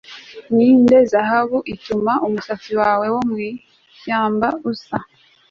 Ninde zahabu ituma umusatsi wawe wo mwishyamba usa